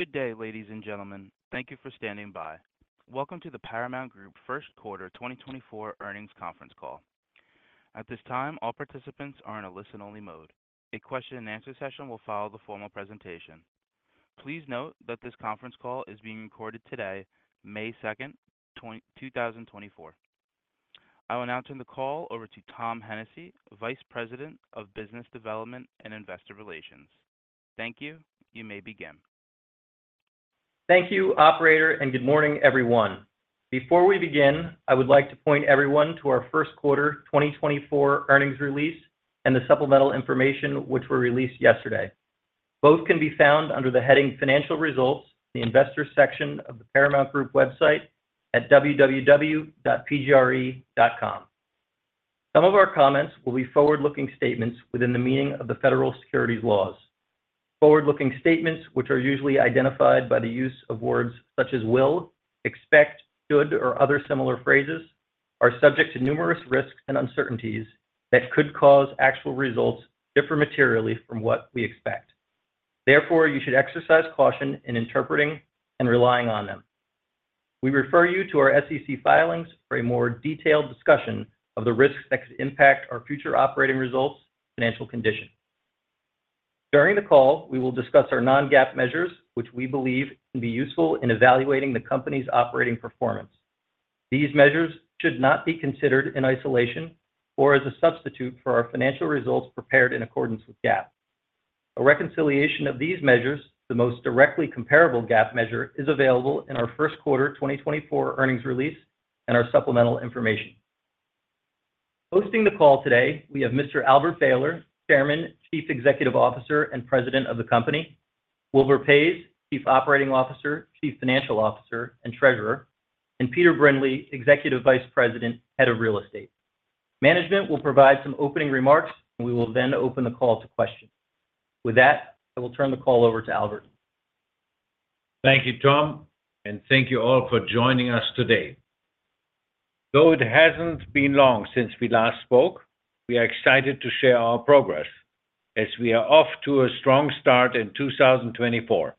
Good day, ladies and gentlemen. Thank you for standing by. Welcome to the Paramount Group first quarter 2024 earnings conference call. At this time, all participants are in a listen-only mode. A question-and-answer session will follow the formal presentation. Please note that this conference call is being recorded today, May 2nd, 2024. I will now turn the call over to Tom Hennessy, Vice President of Business Development and Investor Relations. Thank you. You may begin. Thank you, Operator, and good morning, everyone. Before we begin, I would like to point everyone to our first quarter 2024 earnings release and the supplemental information which were released yesterday. Both can be found under the heading Financial Results, the Investors section of the Paramount Group website, at www.pgre.com. Some of our comments will be forward-looking statements within the meaning of the federal securities laws. Forward-looking statements, which are usually identified by the use of words such as will, expect, should, or other similar phrases, are subject to numerous risks and uncertainties that could cause actual results different materially from what we expect. Therefore, you should exercise caution in interpreting and relying on them. We refer you to our SEC filings for a more detailed discussion of the risks that could impact our future operating results' financial condition. During the call, we will discuss our non-GAAP measures, which we believe can be useful in evaluating the company's operating performance. These measures should not be considered in isolation or as a substitute for our financial results prepared in accordance with GAAP. A reconciliation of these measures, the most directly comparable GAAP measure, is available in our first quarter 2024 earnings release and our supplemental information. Hosting the call today, we have Mr. Albert Behler, Chairman, Chief Executive Officer and President of the company; Wilbur Paes, Chief Operating Officer, Chief Financial Officer and Treasurer; and Peter Brindley, Executive Vice President, Head of Real Estate. Management will provide some opening remarks, and we will then open the call to questions. With that, I will turn the call over to Albert. Thank you, Tom, and thank you all for joining us today. Though it hasn't been long since we last spoke, we are excited to share our progress as we are off to a strong start in 2024.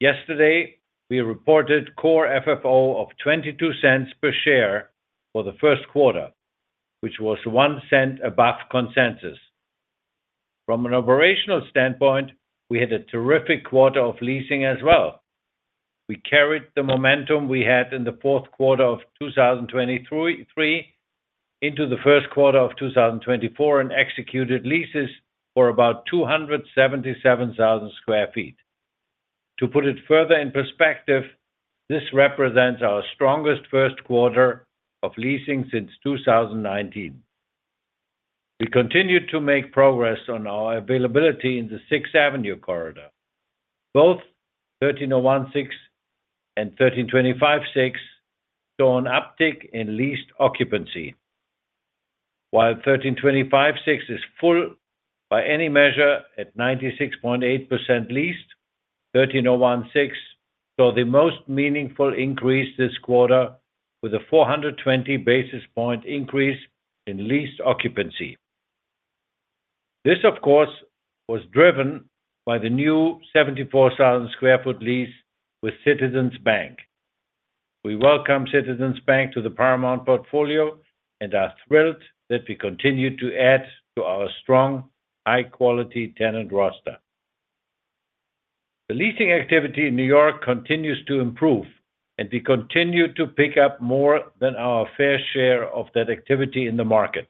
Yesterday, we reported core FFO of $0.22 per share for the first quarter, which was $0.01 above consensus. From an operational standpoint, we had a terrific quarter of leasing as well. We carried the momentum we had in the fourth quarter of 2023 into the first quarter of 2024 and executed leases for about 277,000 sq ft. To put it further in perspective, this represents our strongest first quarter of leasing since 2019. We continued to make progress on our availability in the Sixth Avenue corridor. Both 1301 Sixth and 1325 Sixth saw an uptick in leased occupancy. While 1325 Sixth is full by any measure at 96.8% leased, 1301 Sixth saw the most meaningful increase this quarter, with a 420 basis point increase in leased occupancy. This, of course, was driven by the new 74,000 sq ft lease with Citizens Bank. We welcome Citizens Bank to the Paramount portfolio and are thrilled that we continue to add to our strong, high-quality tenant roster. The leasing activity in New York continues to improve, and we continue to pick up more than our fair share of that activity in the market.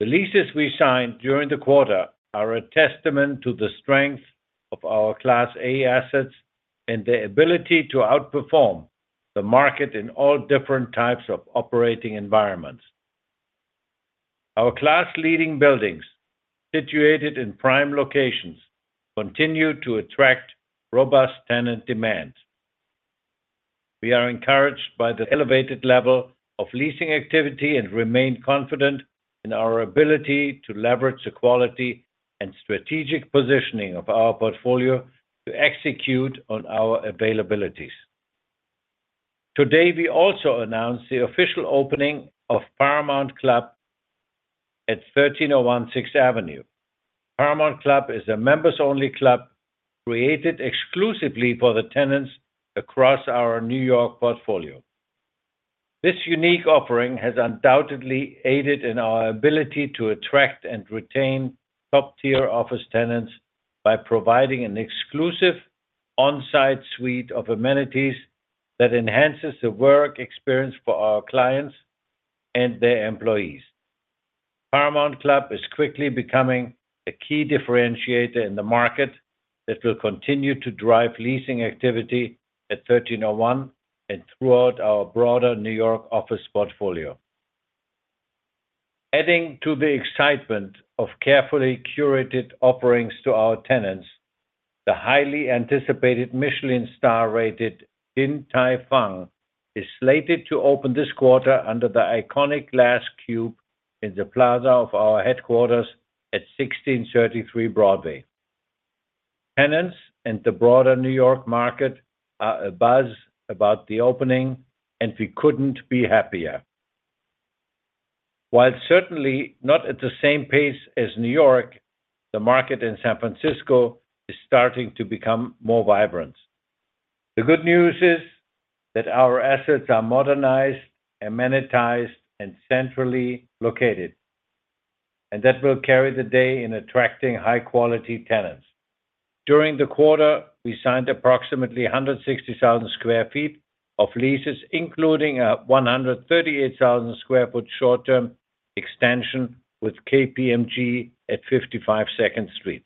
The leases we signed during the quarter are a testament to the strength of our Class A assets and the ability to outperform the market in all different types of operating environments. Our class-leading buildings, situated in prime locations, continue to attract robust tenant demand. We are encouraged by the elevated level of leasing activity and remain confident in our ability to leverage the quality and strategic positioning of our portfolio to execute on our availabilities. Today, we also announced the official opening of Paramount Club at 1301 Sixth Avenue. Paramount Club is a members-only club created exclusively for the tenants across our New York portfolio. This unique offering has undoubtedly aided in our ability to attract and retain top-tier office tenants by providing an exclusive on-site suite of amenities that enhances the work experience for our clients and their employees. Paramount Club is quickly becoming a key differentiator in the market that will continue to drive leasing activity at 1301 and throughout our broader New York office portfolio. Adding to the excitement of carefully curated offerings to our tenants, the highly anticipated Michelin-star-rated Din Tai Fung is slated to open this quarter under the iconic glass cube in the plaza of our headquarters at 1633 Broadway. Tenants and the broader New York market are abuzz about the opening, and we couldn't be happier. While certainly not at the same pace as New York, the market in San Francisco is starting to become more vibrant. The good news is that our assets are modernized, amenitized, and centrally located, and that will carry the day in attracting high-quality tenants. During the quarter, we signed approximately 160,000 sq ft of leases, including a 138,000 sq ft short-term extension with KPMG at 55 Second Street.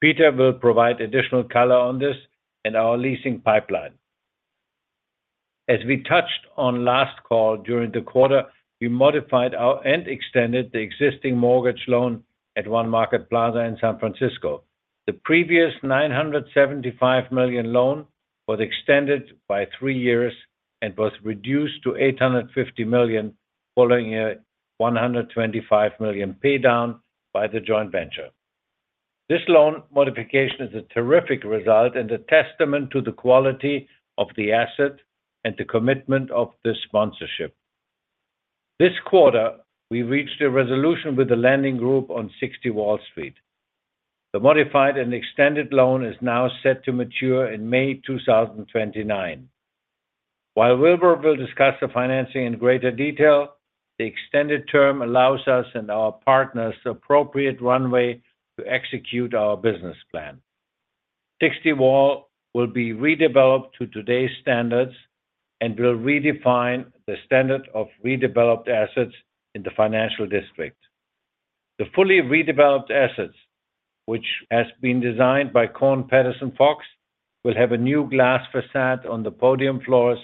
Peter will provide additional color on this and our leasing pipeline. As we touched on last call during the quarter, we modified and extended the existing mortgage loan at One Market Plaza in San Francisco. The previous $975 million loan was extended by three years and was reduced to $850 million, following a $125 million paydown by the joint venture. This loan modification is a terrific result and a testament to the quality of the asset and the commitment of the sponsorship. This quarter, we reached a resolution with the lending group on 60 Wall Street. The modified and extended loan is now set to mature in May 2029. While Wilbur will discuss the financing in greater detail, the extended term allows us and our partners the appropriate runway to execute our business plan. 60 Wall will be redeveloped to today's standards and will redefine the standard of redeveloped assets in the financial district. The fully redeveloped assets, which has been designed by Kohn Pedersen Fox, will have a new glass façade on the podium floors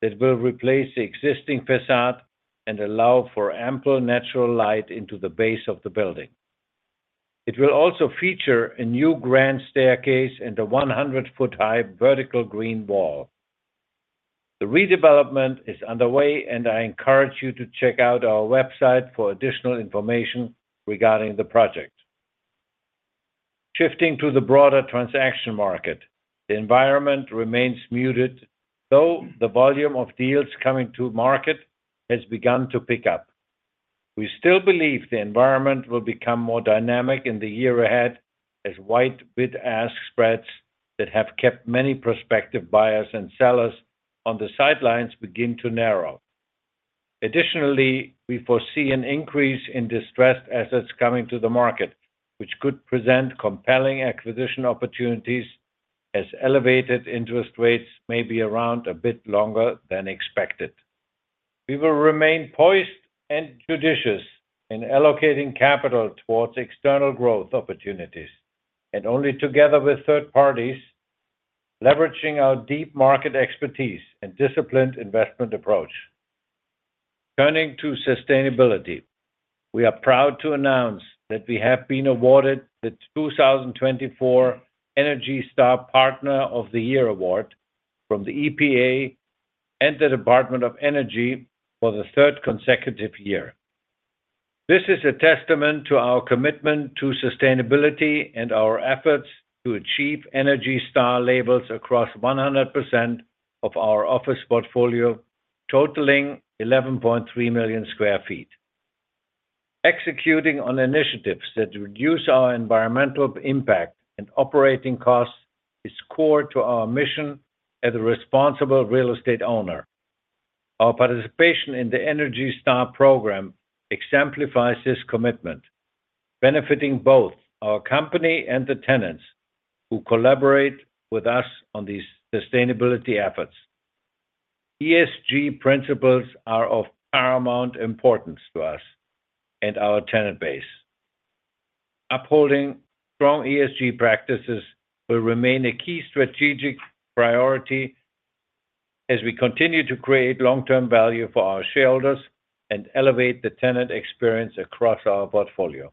that will replace the existing façade and allow for ample natural light into the base of the building. It will also feature a new grand staircase and a 100-foot-high vertical green wall. The redevelopment is underway, and I encourage you to check out our website for additional information regarding the project. Shifting to the broader transaction market, the environment remains muted, though the volume of deals coming to market has begun to pick up. We still believe the environment will become more dynamic in the year ahead as wide bid-ask spreads that have kept many prospective buyers and sellers on the sidelines begin to narrow. Additionally, we foresee an increase in distressed assets coming to the market, which could present compelling acquisition opportunities as elevated interest rates may be around a bit longer than expected. We will remain poised and judicious in allocating capital towards external growth opportunities, and only together with third parties, leveraging our deep market expertise and disciplined investment approach. Turning to sustainability, we are proud to announce that we have been awarded the 2024 Energy Star Partner of the Year award from the EPA and the Department of Energy for the third consecutive year. This is a testament to our commitment to sustainability and our efforts to achieve Energy Star labels across 100% of our office portfolio, totaling 11.3 million sq ft. Executing on initiatives that reduce our environmental impact and operating costs is core to our mission as a responsible real estate owner. Our participation in the Energy Star program exemplifies this commitment, benefiting both our company and the tenants who collaborate with us on these sustainability efforts. ESG principles are of paramount importance to us and our tenant base. Upholding strong ESG practices will remain a key strategic priority as we continue to create long-term value for our shareholders and elevate the tenant experience across our portfolio.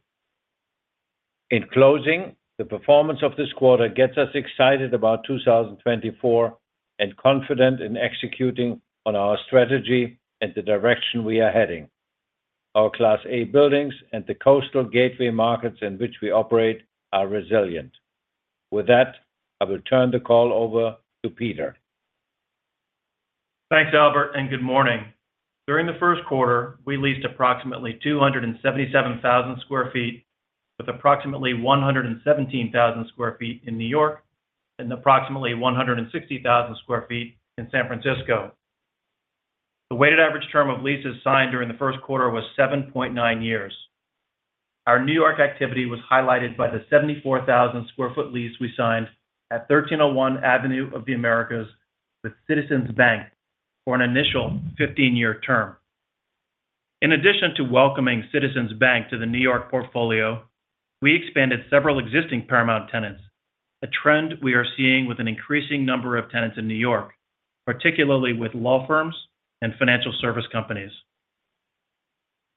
In closing, the performance of this quarter gets us excited about 2024 and confident in executing on our strategy and the direction we are heading. Our Class A buildings and the coastal gateway markets in which we operate are resilient. With that, I will turn the call over to Peter. Thanks, Albert, and good morning. During the first quarter, we leased approximately 277,000 sq ft, with approximately 117,000 sq ft in New York and approximately 160,000 sq ft in San Francisco. The weighted average term of leases signed during the first quarter was 7.9 years. Our New York activity was highlighted by the 74,000 sq ft lease we signed at 1301 Avenue of the Americas with Citizens Bank for an initial 15-year term. In addition to welcoming Citizens Bank to the New York portfolio, we expanded several existing Paramount tenants, a trend we are seeing with an increasing number of tenants in New York, particularly with law firms and financial service companies.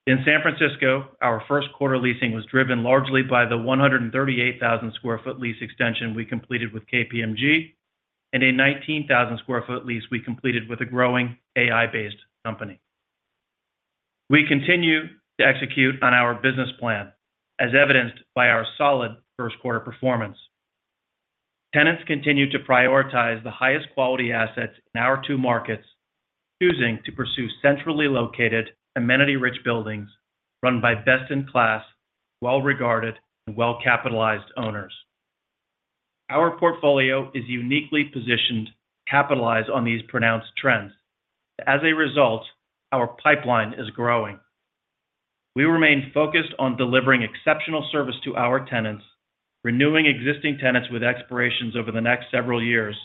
In San Francisco, our first quarter leasing was driven largely by the 138,000 sq ft lease extension we completed with KPMG and a 19,000 sq ft lease we completed with a growing AI-based company. We continue to execute on our business plan, as evidenced by our solid first-quarter performance. Tenants continue to prioritize the highest-quality assets in our two markets, choosing to pursue centrally located, amenity-rich buildings run by best-in-class, well-regarded, and well-capitalized owners. Our portfolio is uniquely positioned. Capitalize on these pronounced trends. As a result, our pipeline is growing. We remain focused on delivering exceptional service to our tenants, renewing existing tenants with expirations over the next several years,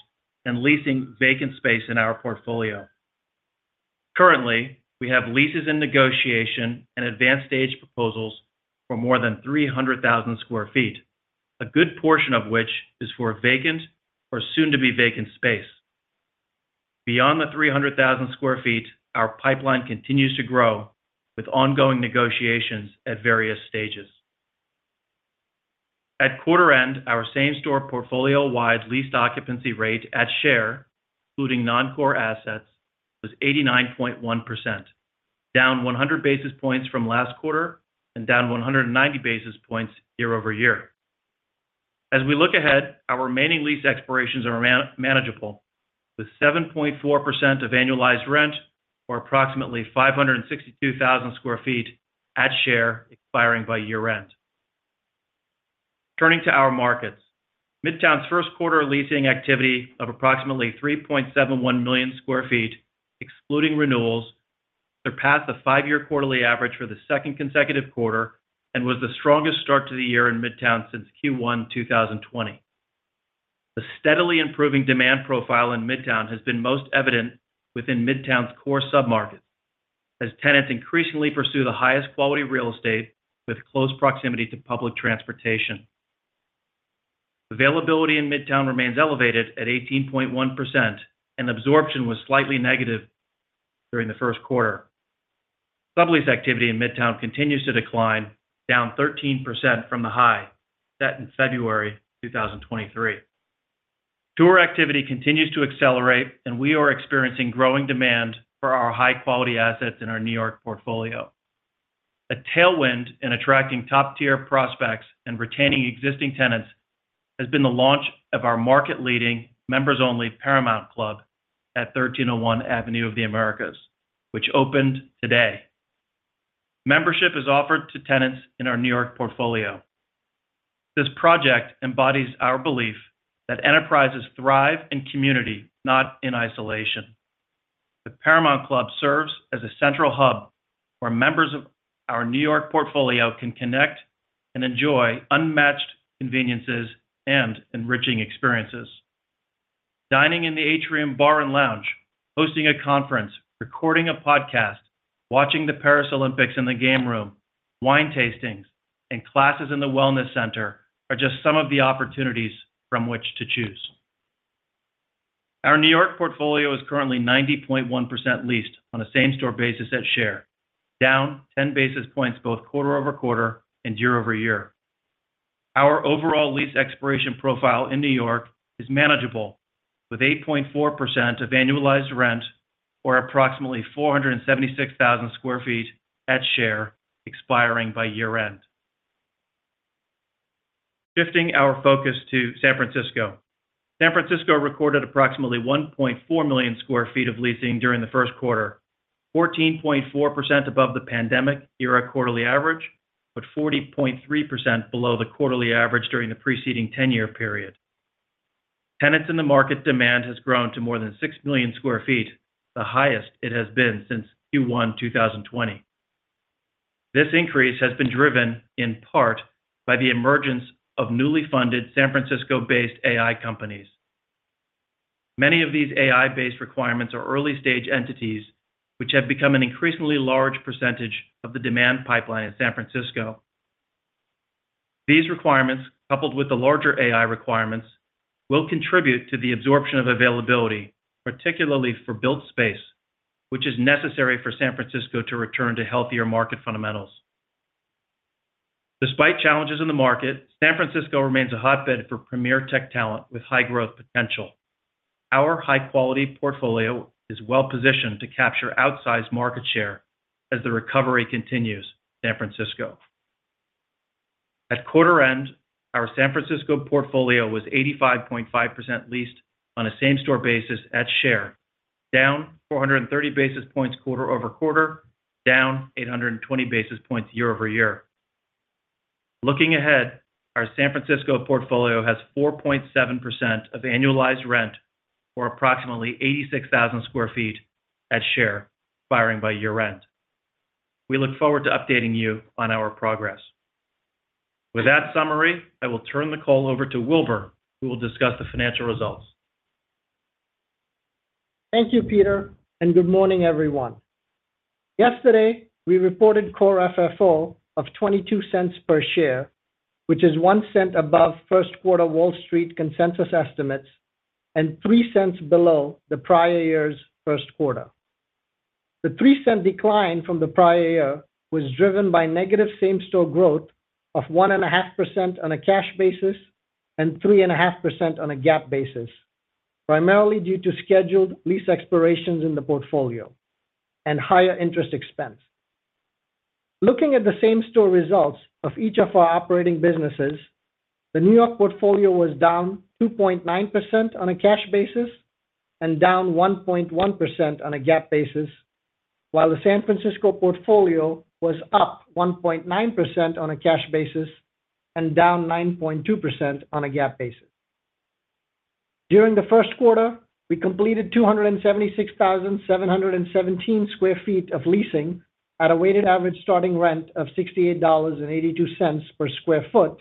and leasing vacant space in our portfolio. Currently, we have leases in negotiation and advanced-stage proposals for more than 300,000 sq ft, a good portion of which is for vacant or soon-to-be-vacant space. Beyond the 300,000 sq ft, our pipeline continues to grow with ongoing negotiations at various stages. At quarter-end, our same-store portfolio-wide leased occupancy rate at share, including non-core assets, was 89.1%, down 100 basis points from last quarter and down 190 basis points year-over-year. As we look ahead, our remaining lease expirations are manageable, with 7.4% of annualized rent or approximately 562,000 sq ft at share expiring by year-end. Turning to our markets, Midtown's first-quarter leasing activity of approximately 3.71 million sq ft, excluding renewals, surpassed the five-year quarterly average for the second consecutive quarter and was the strongest start to the year in Midtown since Q1 2020. The steadily improving demand profile in Midtown has been most evident within Midtown's core submarkets, as tenants increasingly pursue the highest-quality real estate with close proximity to public transportation. Availability in Midtown remains elevated at 18.1%, and absorption was slightly negative during the first quarter. Sublease activity in Midtown continues to decline, down 13% from the high set in February 2023. Tour activity continues to accelerate, and we are experiencing growing demand for our high-quality assets in our New York portfolio. A tailwind in attracting top-tier prospects and retaining existing tenants has been the launch of our market-leading, members-only Paramount Club at 1301 Avenue of the Americas, which opened today. Membership is offered to tenants in our New York portfolio. This project embodies our belief that enterprises thrive in community, not in isolation. The Paramount Club serves as a central hub where members of our New York portfolio can connect and enjoy unmatched conveniences and enriching experiences. Dining in the Atrium Bar and Lounge, hosting a conference, recording a podcast, watching the Paris Olympics in the game room, wine tastings, and classes in the wellness center are just some of the opportunities from which to choose. Our New York portfolio is currently 90.1% leased on a same-store basis at share, down 10 basis points both quarter-over-quarter and year-over-year. Our overall lease expiration profile in New York is manageable, with 8.4% of annualized rent or approximately 476,000 sq ft at share expiring by year-end. Shifting our focus to San Francisco. San Francisco recorded approximately 1.4 million sq ft of leasing during the first quarter, 14.4% above the pandemic-era quarterly average but 40.3% below the quarterly average during the preceding 10-year period. Tenants in the market demand has grown to more than 6 million sq ft, the highest it has been since Q1 2020. This increase has been driven, in part, by the emergence of newly funded San Francisco-based AI companies. Many of these AI-based requirements are early-stage entities, which have become an increasingly large percentage of the demand pipeline in San Francisco. These requirements, coupled with the larger AI requirements, will contribute to the absorption of availability, particularly for built space, which is necessary for San Francisco to return to healthier market fundamentals. Despite challenges in the market, San Francisco remains a hotbed for premier tech talent with high growth potential. Our high-quality portfolio is well-positioned to capture outsized market share as the recovery continues in San Francisco. At quarter-end, our San Francisco portfolio was 85.5% leased on a same-store basis at share, down 430 basis points quarter-over-quarter, down 820 basis points year-over-year. Looking ahead, our San Francisco portfolio has 4.7% of annualized rent or approximately 86,000 sq ft at share expiring by year-end. We look forward to updating you on our progress. With that summary, I will turn the call over to Wilbur, who will discuss the financial results. Thank you, Peter, and good morning, everyone. Yesterday, we reported core FFO of $0.22 per share, which is $0.01 above first-quarter Wall Street consensus estimates and $0.03 below the prior year's first quarter. The $0.03 decline from the prior year was driven by negative same-store growth of 1.5% on a cash basis and 3.5% on a GAAP basis, primarily due to scheduled lease expirations in the portfolio and higher interest expense. Looking at the same-store results of each of our operating businesses, the New York portfolio was down 2.9% on a cash basis and down 1.1% on a GAAP basis, while the San Francisco portfolio was up 1.9% on a cash basis and down 9.2% on a GAAP basis. During the first quarter, we completed 276,717 sq ft of leasing at a weighted average starting rent of $68.82 per sq ft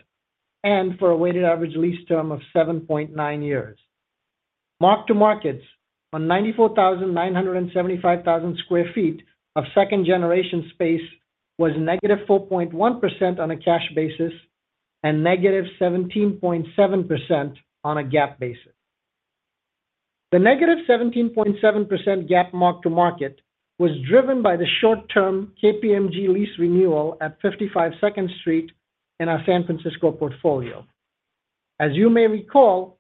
and for a weighted average lease term of 7.9 years. Mark-to-markets on 94,975,000 sq ft of second-generation space was -4.1% on a cash basis and -17.7% on a gap basis. The -17.7% gap mark-to-market was driven by the short-term KPMG lease renewal at 55 Second Street in our San Francisco portfolio. As you may recall,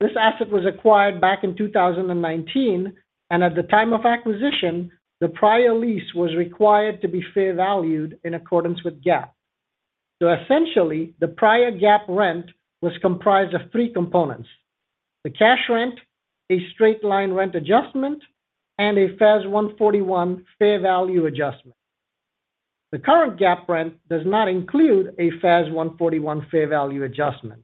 this asset was acquired back in 2019, and at the time of acquisition, the prior lease was required to be fair valued in accordance with GAAP. So essentially, the prior gap rent was comprised of three components: the cash rent, a straight-line rent adjustment, and a FAS 141 fair value adjustment. The current gap rent does not include a FAS 141 fair value adjustment.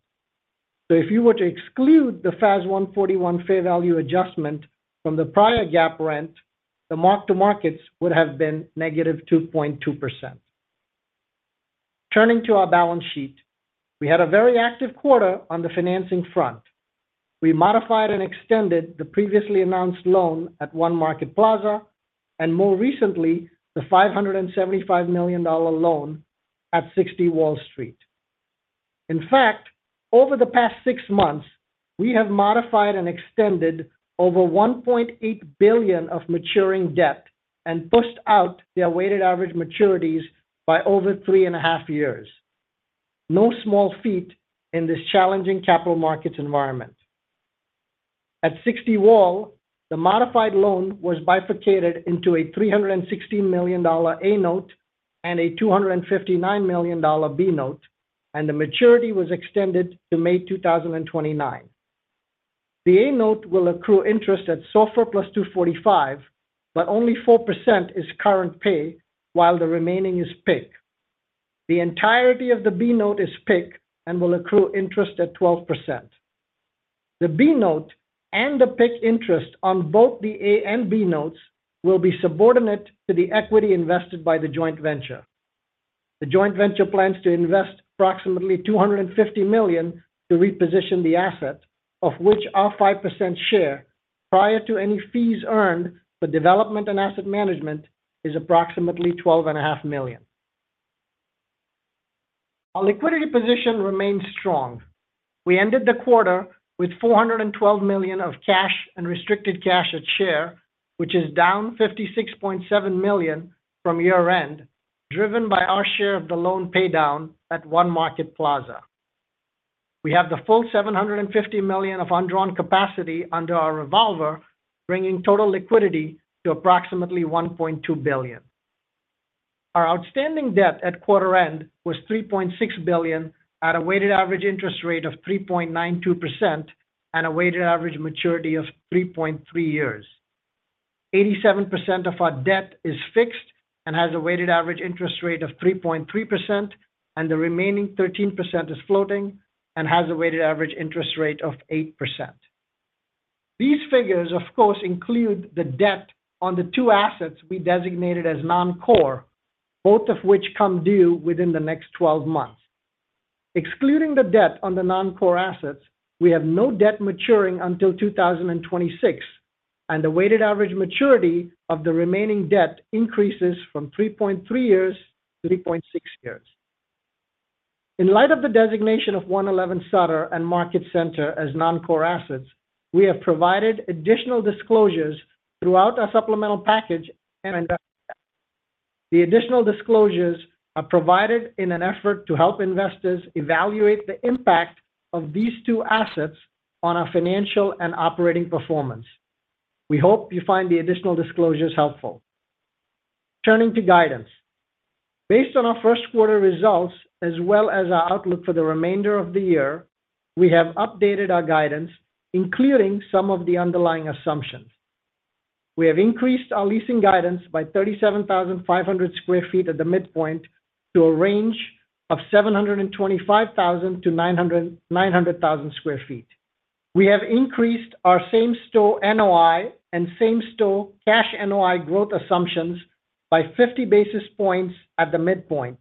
If you were to exclude the FAS 141 fair value adjustment from the prior gap rent, the mark-to-markets would have been -2.2%. Turning to our balance sheet, we had a very active quarter on the financing front. We modified and extended the previously announced loan at One Market Plaza and, more recently, the $575 million loan at 60 Wall Street. In fact, over the past six months, we have modified and extended over $1.8 billion of maturing debt and pushed out the weighted average maturities by over three and a half years. No small feat in this challenging capital markets environment. At 60 Wall, the modified loan was bifurcated into a $316 million A note and a $259 million B note, and the maturity was extended to May 2029. The A note will accrue interest at SOFR+ 245, but only 4% is current pay while the remaining is PIK. The entirety of the B note is PIK and will accrue interest at 12%. The B note and the PIK interest on both the A and B notes will be subordinate to the equity invested by the joint venture. The joint venture plans to invest approximately $250 million to reposition the asset, of which our 5% share prior to any fees earned for development and asset management is approximately $12.5 million. Our liquidity position remains strong. We ended the quarter with $412 million of cash and restricted cash our share, which is down $56.7 million from year-end, driven by our share of the loan paydown at One Market Plaza. We have the full $750 million of undrawn capacity under our revolver, bringing total liquidity to approximately $1.2 billion. Our outstanding debt at quarter-end was $3.6 billion at a weighted average interest rate of 3.92% and a weighted average maturity of 3.3 years. 87% of our debt is fixed and has a weighted average interest rate of 3.3%, and the remaining 13% is floating and has a weighted average interest rate of 8%. These figures, of course, include the debt on the two assets we designated as non-core, both of which come due within the next 12 months. Excluding the debt on the non-core assets, we have no debt maturing until 2026, and the weighted average maturity of the remaining debt increases from 3.3 years to 3.6 years. In light of the designation of 111 Sutter and Market Center as non-core assets, we have provided additional disclosures throughout our supplemental package and investor guidance. The additional disclosures are provided in an effort to help investors evaluate the impact of these two assets on our financial and operating performance. We hope you find the additional disclosures helpful. Turning to guidance. Based on our first-quarter results as well as our outlook for the remainder of the year, we have updated our guidance, including some of the underlying assumptions. We have increased our leasing guidance by 37,500 sq ft at the midpoint to a range of 725,000 to 900,000 sq ft. We have increased our same-store NOI and same-store cash NOI growth assumptions by 50 basis points at the midpoint.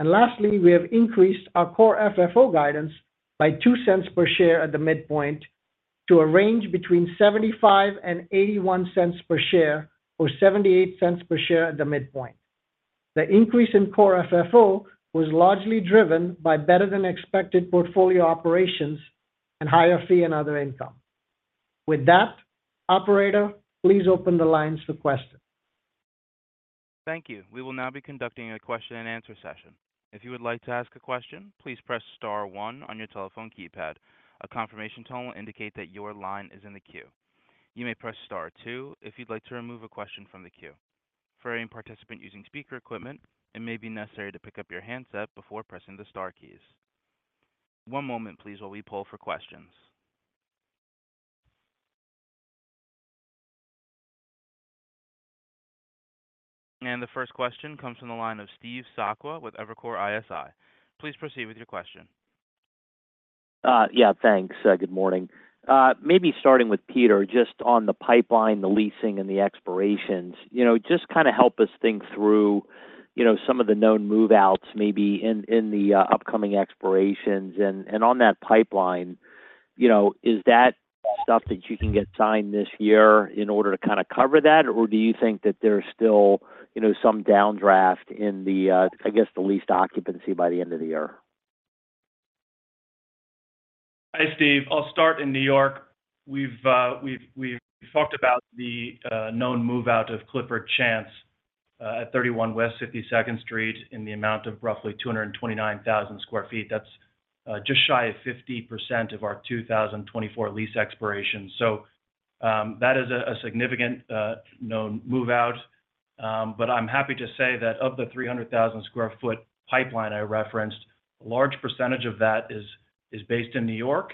And lastly, we have increased our core FFO guidance by $0.02 per share at the midpoint to a range between $0.75 and $0.81 per share or $0.78 per share at the midpoint. The increase in core FFO was largely driven by better-than-expected portfolio operations and higher fee and other income. With that, operator, please open the lines for questions. Thank you. We will now be conducting a question-and-answer session. If you would like to ask a question, please press star one on your telephone keypad. A confirmation tone will indicate that your line is in the queue. You may press star two if you'd like to remove a question from the queue. For any participant using speaker equipment, it may be necessary to pick up your handset before pressing the star keys. One moment, please, while we pull for questions. And the first question comes from the line of Steve Sakwa with Evercore ISI. Please proceed with your question. Yeah, thanks. Good morning. Maybe starting with Peter, just on the pipeline, the leasing, and the expirations, just kind of help us think through some of the known move-outs maybe in the upcoming expirations. And on that pipeline, is that stuff that you can get signed this year in order to kind of cover that, or do you think that there's still some downdraft in, I guess, the leased occupancy by the end of the year? Hi, Steve. I'll start in New York. We've talked about the known move-out of Clifford Chance at 31 West 52nd Street in the amount of roughly 229,000 sq ft. That's just shy of 50% of our 2024 lease expirations. So that is a significant known move-out. But I'm happy to say that of the 300,000 sq ft pipeline I referenced, a large percentage of that is based in New York,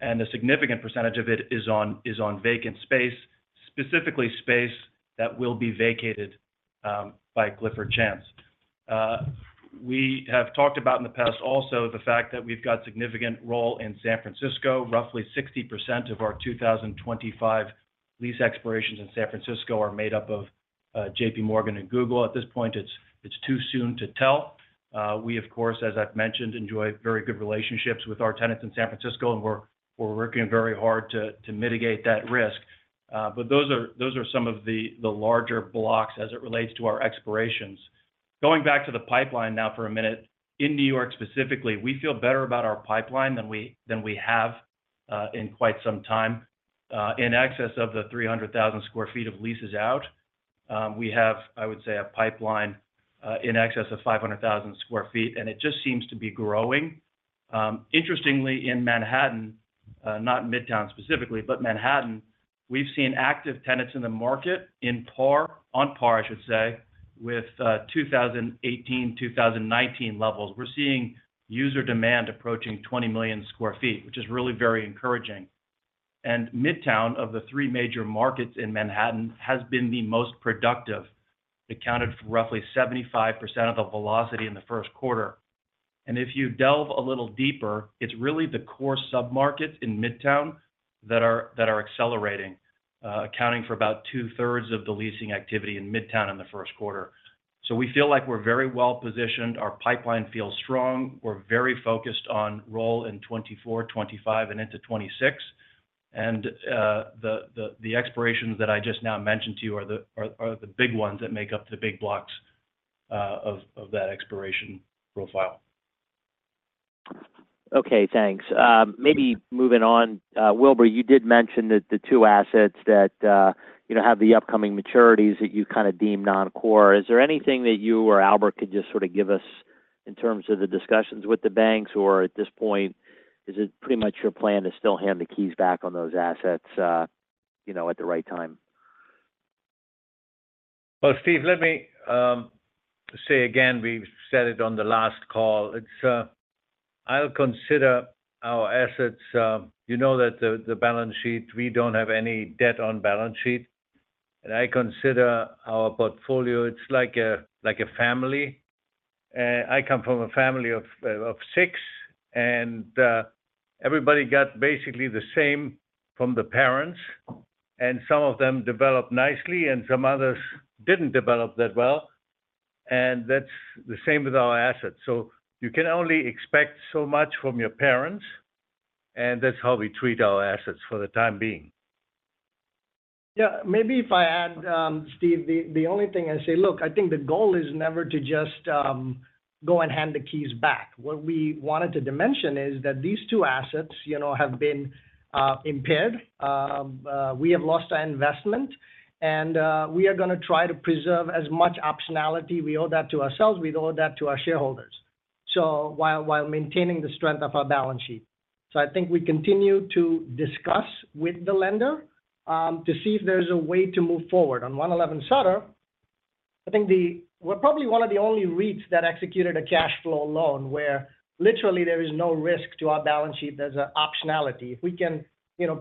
and a significant percentage of it is on vacant space, specifically space that will be vacated by Clifford Chance. We have talked about in the past also the fact that we've got a significant roll in San Francisco. Roughly 60% of our 2025 lease expirations in San Francisco are made up of JPMorgan and Google. At this point, it's too soon to tell. We, of course, as I've mentioned, enjoy very good relationships with our tenants in San Francisco, and we're working very hard to mitigate that risk. But those are some of the larger blocks as it relates to our expirations. Going back to the pipeline now for a minute, in New York specifically, we feel better about our pipeline than we have in quite some time. In excess of the 300,000 sq ft of leases out, we have, I would say, a pipeline in excess of 500,000 sq ft, and it just seems to be growing. Interestingly, in Manhattan - not Midtown specifically, but Manhattan - we've seen active tenants in the market on par, I should say, with 2018, 2019 levels. We're seeing user demand approaching 20 million sq ft, which is really very encouraging. Midtown, of the three major markets in Manhattan, has been the most productive. It accounted for roughly 75% of the velocity in the first quarter. If you delve a little deeper, it's really the core submarkets in Midtown that are accelerating, accounting for about 2/3 of the leasing activity in Midtown in the first quarter. We feel like we're very well positioned. Our pipeline feels strong. We're very focused on roll in 2024, 2025, and into 2026. The expirations that I just now mentioned to you are the big ones that make up the big blocks of that expiration profile. Okay, thanks. Maybe moving on, Wilbur, you did mention the two assets that have the upcoming maturities that you kind of deem non-core. Is there anything that you or Albert could just sort of give us in terms of the discussions with the banks, or at this point, is it pretty much your plan to still hand the keys back on those assets at the right time? Well, Steve, let me say again—we've said it on the last call—I'll consider our assets. You know that the balance sheet, we don't have any debt on balance sheet. I consider our portfolio. It's like a family. I come from a family of six, and everybody got basically the same from the parents. Some of them developed nicely, and some others didn't develop that well. That's the same with our assets. So you can only expect so much from your parents, and that's how we treat our assets for the time being. Yeah, maybe if I add, Steve, the only thing I say, look, I think the goal is never to just go and hand the keys back. What we wanted to dimension is that these two assets have been impaired. We have lost our investment, and we are going to try to preserve as much optionality. We owe that to ourselves. We owe that to our shareholders while maintaining the strength of our balance sheet. So I think we continue to discuss with the lender to see if there's a way to move forward. On 111 Sutter, I think we're probably one of the only REITs that executed a cash flow loan where literally there is no risk to our balance sheet. There's an optionality. If we can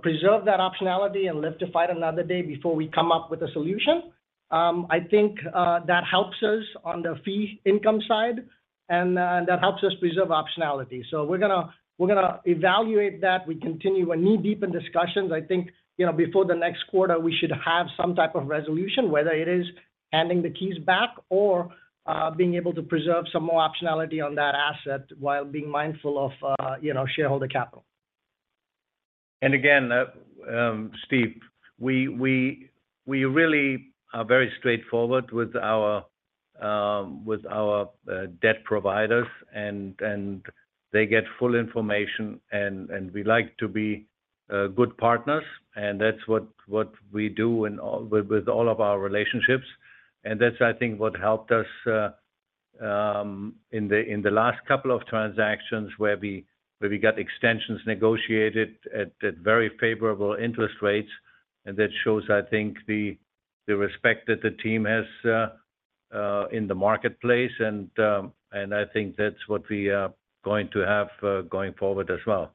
preserve that optionality and live to fight another day before we come up with a solution, I think that helps us on the fee income side, and that helps us preserve optionality. So we're going to evaluate that. We continue our in-depth discussions. I think before the next quarter, we should have some type of resolution, whether it is handing the keys back or being able to preserve some more optionality on that asset while being mindful of shareholder capital. Again, Steve, we really are very straightforward with our debt providers, and they get full information. We like to be good partners, and that's what we do with all of our relationships. That's, I think, what helped us in the last couple of transactions where we got extensions negotiated at very favorable interest rates. That shows, I think, the respect that the team has in the marketplace. I think that's what we are going to have going forward as well.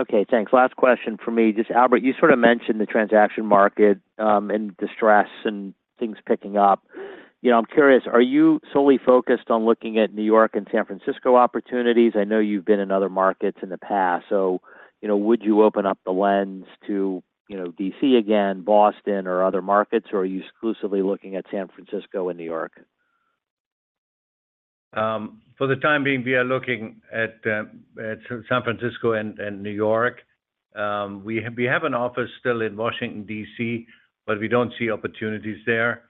Okay, thanks. Last question for me. Just, Albert, you sort of mentioned the transaction market and the stress and things picking up. I'm curious, are you solely focused on looking at New York and San Francisco opportunities? I know you've been in other markets in the past. So would you open up the lens to D.C. again, Boston, or other markets, or are you exclusively looking at San Francisco and New York? For the time being, we are looking at San Francisco and New York. We have an office still in Washington, D.C., but we don't see opportunities there.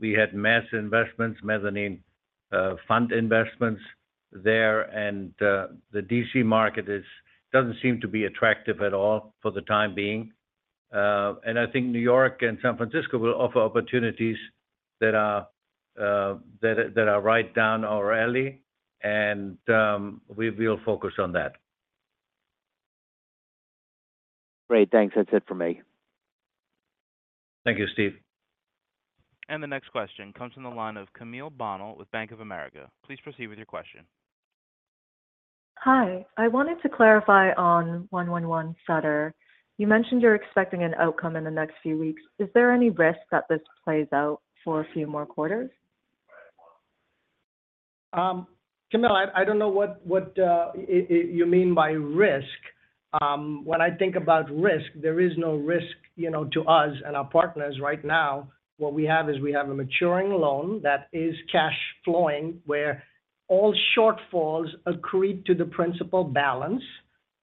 We had mass investments, mezzanine fund investments there, and the D.C. market doesn't seem to be attractive at all for the time being. And I think New York and San Francisco will offer opportunities that are right down our alley, and we'll focus on that. Great, thanks. That's it for me. Thank you, Steve. The next question comes from the line of Camille Bonnel with Bank of America. Please proceed with your question. Hi. I wanted to clarify on 111 Sutter. You mentioned you're expecting an outcome in the next few weeks. Is there any risk that this plays out for a few more quarters? Camille, I don't know what you mean by risk. When I think about risk, there is no risk to us and our partners right now. What we have is we have a maturing loan that is cash flowing where all shortfalls accrete to the principal balance.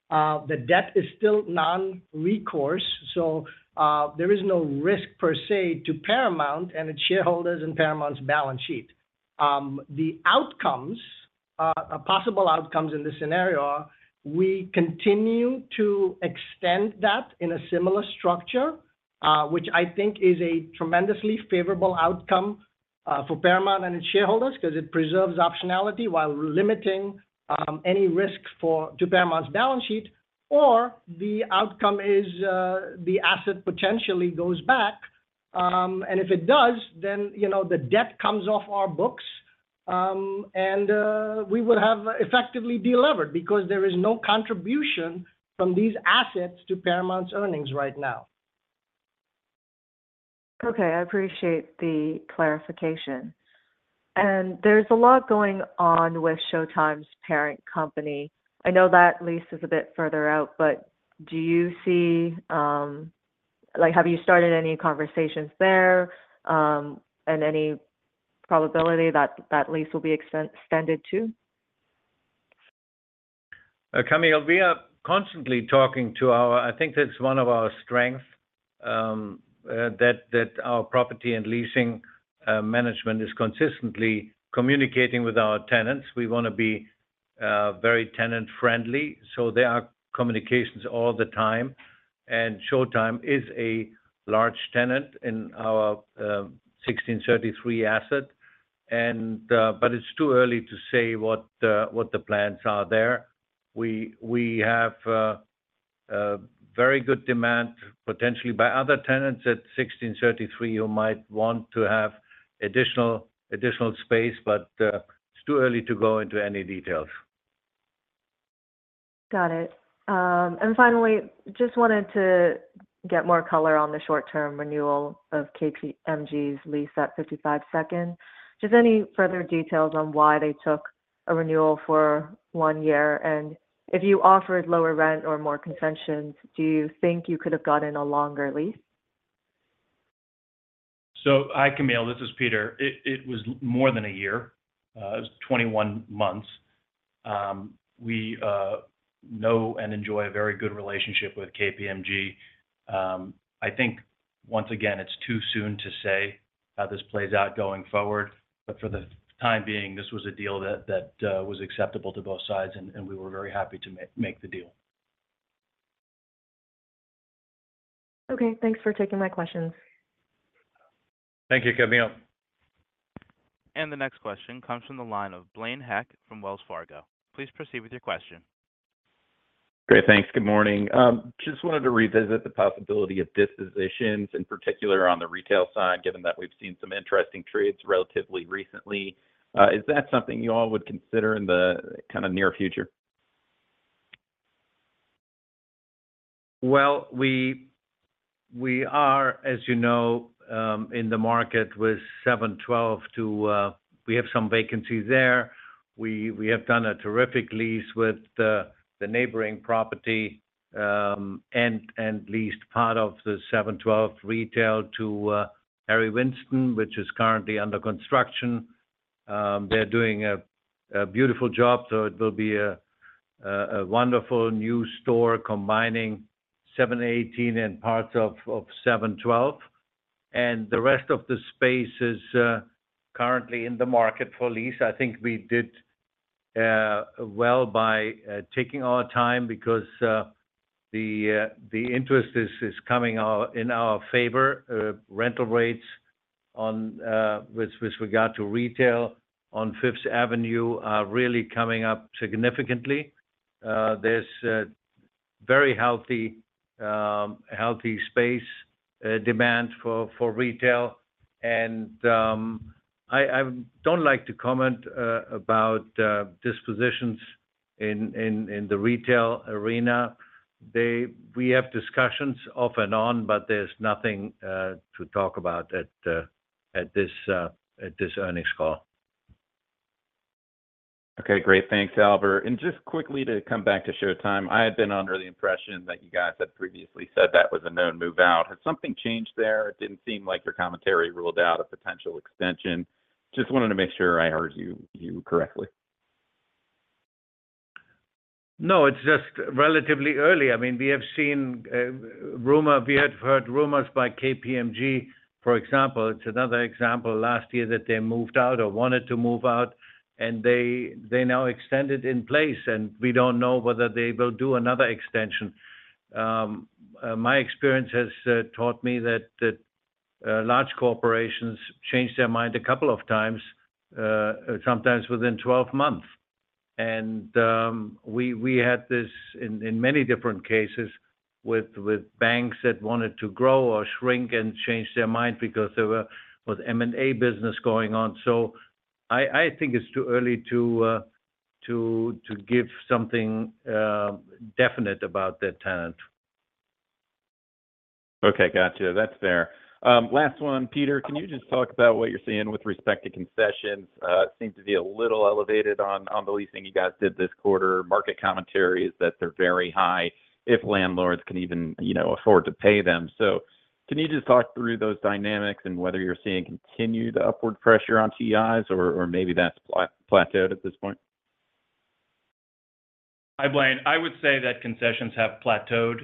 The debt is still non-recourse, so there is no risk per se to Paramount and its shareholders and Paramount's balance sheet. The possible outcomes in this scenario are we continue to extend that in a similar structure, which I think is a tremendously favorable outcome for Paramount and its shareholders because it preserves optionality while limiting any risk to Paramount's balance sheet. Or the outcome is the asset potentially goes back, and if it does, then the debt comes off our books, and we would have effectively delevered because there is no contribution from these assets to Paramount's earnings right now. Okay, I appreciate the clarification. There's a lot going on with Showtime's parent company. I know that lease is a bit further out, but have you started any conversations there and any probability that lease will be extended too? Camille, we are constantly talking to our tenants. I think that's one of our strengths, that our property and leasing management is consistently communicating with our tenants. We want to be very tenant-friendly, so there are communications all the time. And Showtime is a large tenant in our 1633 asset, but it's too early to say what the plans are there. We have very good demand, potentially, by other tenants at 1633 who might want to have additional space, but it's too early to go into any details. Got it. Finally, just wanted to get more color on the short-term renewal of KPMG's lease at 55 Second Street. Just any further details on why they took a renewal for one year? And if you offered lower rent or more concessions, do you think you could have gotten a longer lease? Hi, Camille. This is Peter. It was more than a year. It was 21 months. We know and enjoy a very good relationship with KPMG. I think, once again, it's too soon to say how this plays out going forward, but for the time being, this was a deal that was acceptable to both sides, and we were very happy to make the deal. Okay, thanks for taking my questions. Thank you, Camille. The next question comes from the line of Blaine Heck from Wells Fargo. Please proceed with your question. Great, thanks. Good morning. Just wanted to revisit the possibility of dispositions, in particular on the retail side, given that we've seen some interesting trades relatively recently. Is that something you all would consider in the kind of near future? Well, we are, as you know, in the market with 712, too. We have some vacancy there. We have done a terrific lease with the neighboring property and leased part of the 712 retail to Harry Winston, which is currently under construction. They're doing a beautiful job, so it will be a wonderful new store combining 718 and parts of 712. And the rest of the space is currently in the market for lease. I think we did well by taking our time because the interest is coming in our favor. Rental rates with regard to retail on Fifth Avenue are really coming up significantly. There's very healthy space demand for retail. And I don't like to comment about dispositions in the retail arena. We have discussions off and on, but there's nothing to talk about at this earnings call. Okay, great. Thanks, Albert. And just quickly to come back to Showtime, I had been under the impression that you guys had previously said that was a known move out. Has something changed there? It didn't seem like your commentary ruled out a potential extension. Just wanted to make sure I heard you correctly. No, it's just relatively early. I mean, we have seen rumor. We have heard rumors by KPMG, for example. It's another example last year that they moved out or wanted to move out, and they now extended in place. And we don't know whether they will do another extension. My experience has taught me that large corporations changed their mind a couple of times, sometimes within 12 months. And we had this in many different cases with banks that wanted to grow or shrink and changed their mind because there was M&A business going on. So I think it's too early to give something definite about that tenant. Okay, gotcha. That's fair. Last one, Peter, can you just talk about what you're seeing with respect to concessions? It seems to be a little elevated on the leasing you guys did this quarter. Market commentary is that they're very high if landlords can even afford to pay them. So can you just talk through those dynamics and whether you're seeing continued upward pressure on TIs, or maybe that's plateaued at this point? Hi, Blaine. I would say that concessions have plateaued.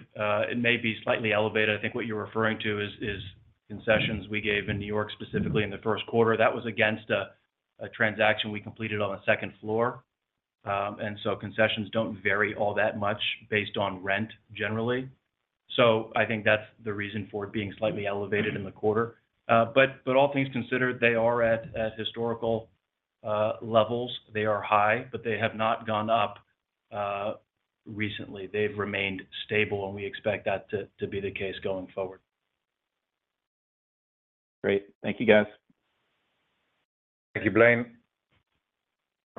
It may be slightly elevated. I think what you're referring to is concessions we gave in New York specifically in the first quarter. That was against a transaction we completed on the second floor. And so concessions don't vary all that much based on rent, generally. So I think that's the reason for it being slightly elevated in the quarter. But all things considered, they are at historical levels. They are high, but they have not gone up recently. They've remained stable, and we expect that to be the case going forward. Great. Thank you, guys. Thank you, Blaine.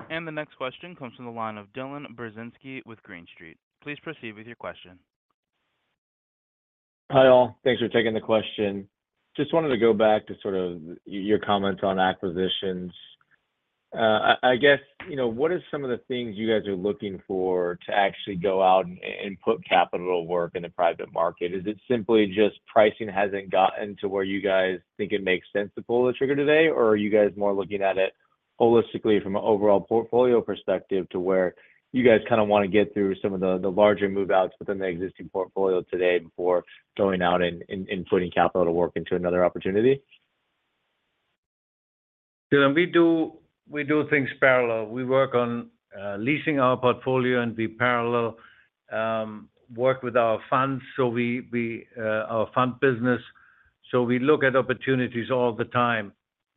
The next question comes from the line of Dylan Burzinski with Green Street. Please proceed with your question. Hi all. Thanks for taking the question. Just wanted to go back to sort of your comments on acquisitions. I guess, what are some of the things you guys are looking for to actually go out and put capital to work in the private market? Is it simply just pricing hasn't gotten to where you guys think it makes sense to pull the trigger today, or are you guys more looking at it holistically from an overall portfolio perspective to where you guys kind of want to get through some of the larger moveouts within the existing portfolio today before going out and putting capital to work into another opportunity? Dylan, we do things parallel. We work on leasing our portfolio, and we parallel work with our funds, our fund business. So we look at opportunities all the time.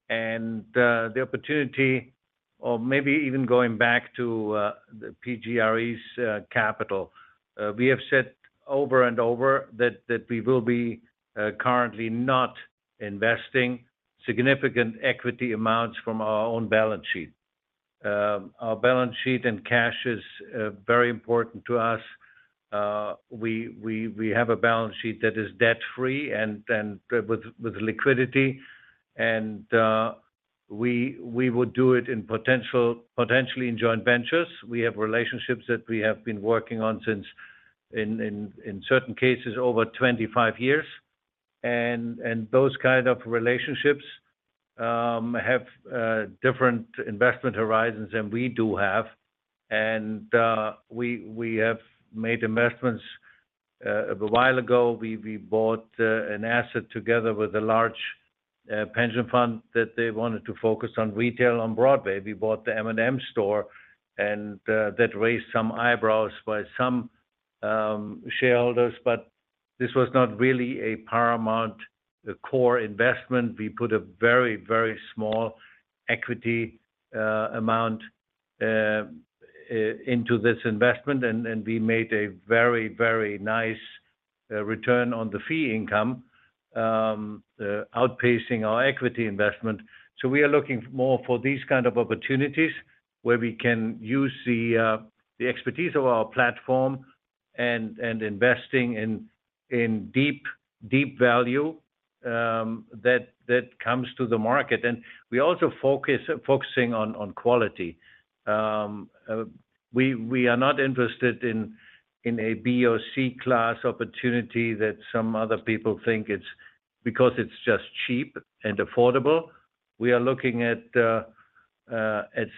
The opportunity, or maybe even going back to the PGRE's capital, we have said over and over that we will be currently not investing significant equity amounts from our own balance sheet. Our balance sheet and cash is very important to us. We have a balance sheet that is debt-free and with liquidity. We would do it potentially in joint ventures. We have relationships that we have been working on since, in certain cases, over 25 years. Those kind of relationships have different investment horizons than we do have. We have made investments a while ago. We bought an asset together with a large pension fund that they wanted to focus on retail on Broadway. We bought the M&M store, and that raised some eyebrows by some shareholders. But this was not really a Paramount core investment. We put a very, very small equity amount into this investment, and we made a very, very nice return on the fee income, outpacing our equity investment. So we are looking more for these kind of opportunities where we can use the expertise of our platform and investing in deep value that comes to the market. And we are also focusing on quality. We are not interested in a B or C-class opportunity that some other people think it's because it's just cheap and affordable. We are looking at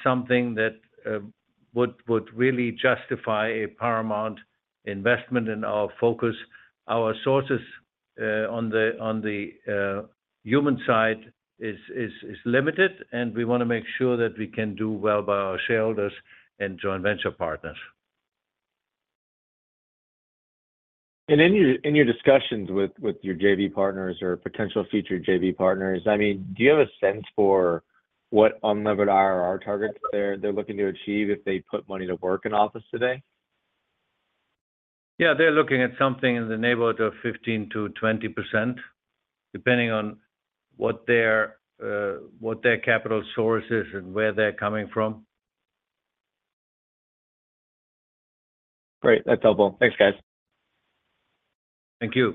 something that would really justify a Paramount investment in our focus. Our sources on the human side is limited, and we want to make sure that we can do well by our shareholders and joint venture partners. In your discussions with your JV partners or potential future JV partners, I mean, do you have a sense for what unlevered IRR targets they're looking to achieve if they put money to work in office today? Yeah, they're looking at something in the neighborhood of 15%-20%, depending on what their capital source is and where they're coming from. Great. That's helpful. Thanks, guys. Thank you.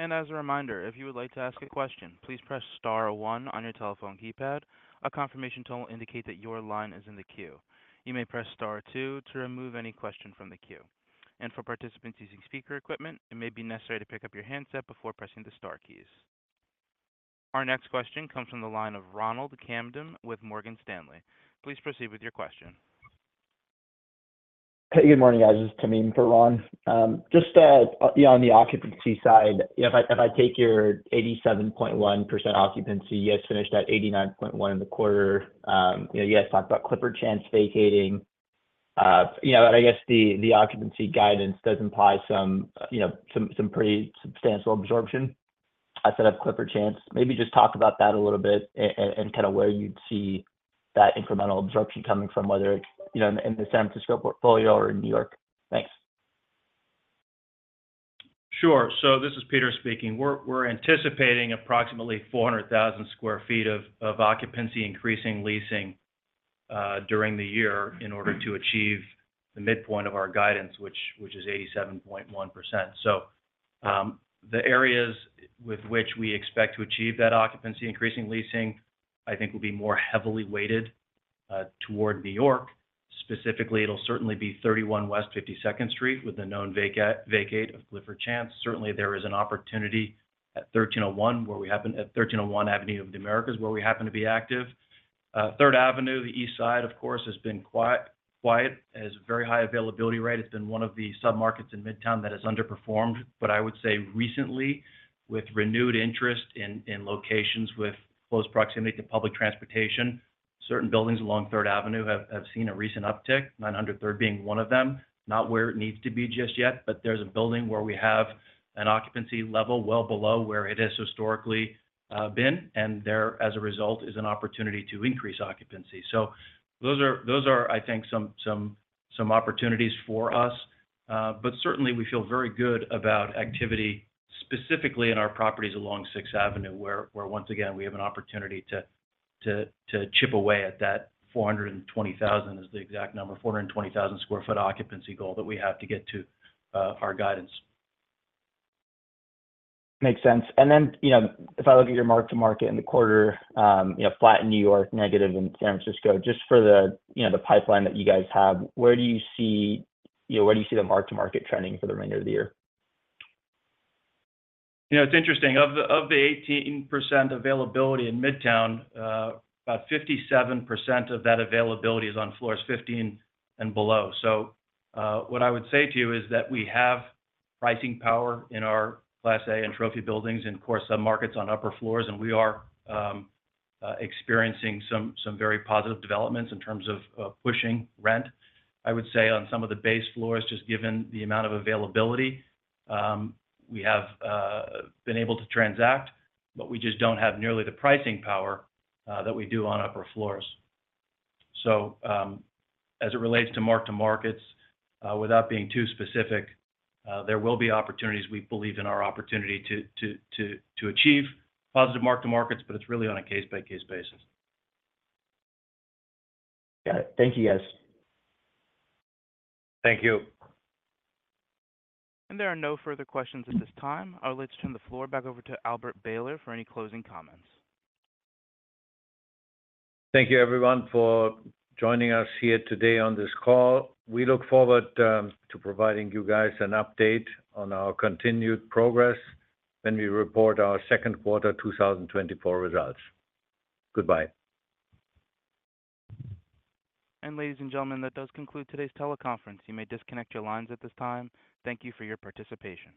And as a reminder, if you would like to ask a question, please press star one on your telephone keypad. A confirmation tone will indicate that your line is in the queue. You may press star two to remove any question from the queue. And for participants using speaker equipment, it may be necessary to pick up your handset before pressing the star keys. Our next question comes from the line of Ronald Kamdem with Morgan Stanley. Please proceed with your question. Hey, good morning, guys. This is Tamim for Ron. Just on the occupancy side, if I take your 87.1% occupancy, you guys finished at 89.1% in the quarter. You guys talked about Clifford Chance vacating. I guess the occupancy guidance does imply some pretty substantial absorption outside of Clifford Chance. Maybe just talk about that a little bit and kind of where you'd see that incremental absorption coming from, whether it's in the San Francisco portfolio or in New York. Thanks. Sure. So this is Peter speaking. We're anticipating approximately 400,000 sq ft of occupancy-increasing leasing during the year in order to achieve the midpoint of our guidance, which is 87.1%. So the areas with which we expect to achieve that occupancy-increasing leasing, I think, will be more heavily weighted toward New York. Specifically, it'll certainly be 31 West 52nd Street with the known vacate of Clifford Chance. Certainly, there is an opportunity at 1301 where we happen at 1301 Avenue of the Americas where we happen to be active. Third Avenue, the east side, of course, has been quiet. It has a very high availability rate. It's been one of the submarkets in Midtown that has underperformed. But I would say recently, with renewed interest in locations with close proximity to public transportation, certain buildings along Third Avenue have seen a recent uptick, 903 being one of them, not where it needs to be just yet. But there's a building where we have an occupancy level well below where it has historically been, and there, as a result, is an opportunity to increase occupancy. So those are, I think, some opportunities for us. But certainly, we feel very good about activity specifically in our properties along Sixth Avenue, where, once again, we have an opportunity to chip away at that 420,000 is the exact number, 420,000 sq ft occupancy goal that we have to get to our guidance. Makes sense. And then if I look at your mark-to-market in the quarter, flat in New York, negative in San Francisco, just for the pipeline that you guys have, where do you see the mark-to-market trending for the remainder of the year? It's interesting. Of the 18% availability in Midtown, about 57% of that availability is on floors 15 and below. So what I would say to you is that we have pricing power in our Class A and Trophy buildings and, of course, submarkets on upper floors, and we are experiencing some very positive developments in terms of pushing rent. I would say on some of the base floors, just given the amount of availability, we have been able to transact, but we just don't have nearly the pricing power that we do on upper floors. So as it relates to mark-to-markets, without being too specific, there will be opportunities. We believe in our opportunity to achieve positive mark-to-markets, but it's really on a case-by-case basis. Got it. Thank you, guys. Thank you. There are no further questions at this time. Let's turn the floor back over to Albert Behler for any closing comments. Thank you, everyone, for joining us here today on this call. We look forward to providing you guys an update on our continued progress when we report our second quarter 2024 results. Goodbye. Ladies and gentlemen, that does conclude today's teleconference. You may disconnect your lines at this time. Thank you for your participation.